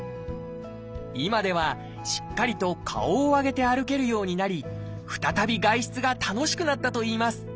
今ではしっかりと顔を上げて歩けるようになり再び外出が楽しくなったといいます。